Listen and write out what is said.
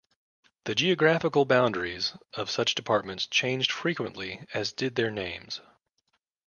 The geographical boundaries of such departments changed frequently, as did their names.